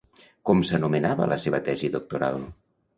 Com s'anomenava la seva tesi doctoral?